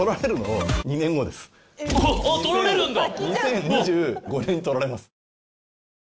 あっ撮られるんだ！